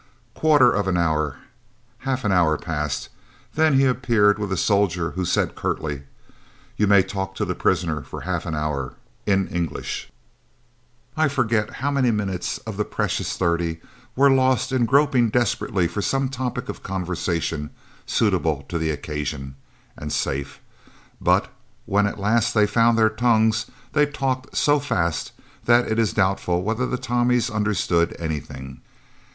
Quarter of an hour, half an hour passed, then he appeared with a soldier, who said curtly: "You may talk to the prisoner for half an hour in English!" I forget how many minutes of the precious thirty were lost in groping desperately for some topic of conversation suitable to the occasion, and safe! but when at last they found their tongues, they talked so fast that it is doubtful whether the Tommies understood anything.